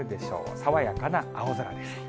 爽やかな青空です。